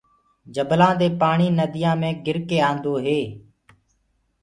جبلآنٚ دي پآڻي ننديآنٚ مي ڪر ڪي آندو هي۔